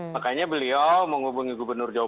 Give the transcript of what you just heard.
makanya beliau menghubungi gubernur jakarta